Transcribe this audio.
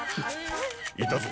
いたぞ。